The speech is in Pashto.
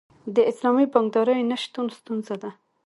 د اسلامي بانکدارۍ نشتون ستونزه ده.